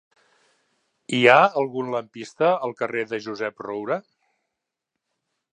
Hi ha algun lampista al carrer de Josep Roura?